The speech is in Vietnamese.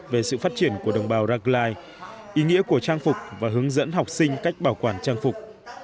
về sự phát triển của đồng bào rackline ý nghĩa của trang phục và hướng dẫn học sinh cách bảo quản trang phục